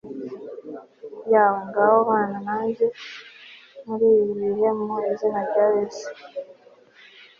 yawe ngaho bana nanjye muri ibihe mu izina rya Yesu